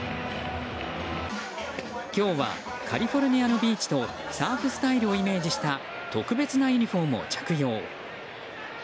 今日はカリフォルニアのビーチとサーフスタイルをイメージした特別なユニホームを着用。